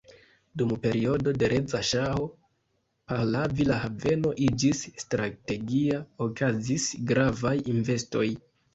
Dum periodo de Reza Ŝaho Pahlavi la haveno iĝis strategia, okazis gravaj investoj.